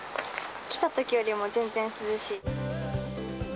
来たときよりも、全然涼しい。